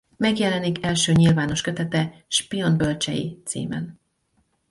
Megjelenik első nyilvános kötete Spion bölcsei címen.